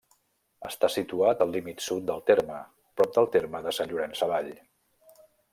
Està situat al límit sud del terme, prop del terme de Sant Llorenç Savall.